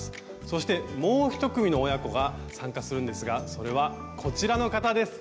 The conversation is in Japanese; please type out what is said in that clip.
そしてもう１組の親子が参加するんですがそれはこちらの方です。